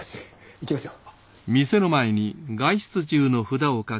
行きましょう。